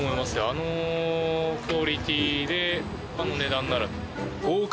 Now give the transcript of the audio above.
あのクオリティーであの値段なら。